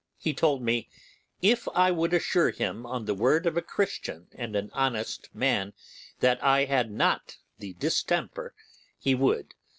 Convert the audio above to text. He told me, if I would assure him on the word of a Christian and of an honest man that I had not the distemper, he would.